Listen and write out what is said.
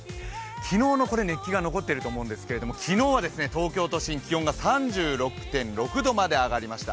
昨日の熱気が残っていると思うんですけど、昨日は東京都心、気温が３６．６度まで上がりました。